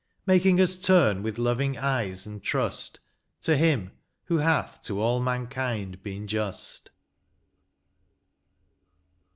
Making us turn with loving eyes, and trust, To Him, who hath to all mankind been just.